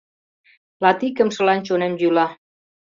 — Латикымшылан чонем йӱла.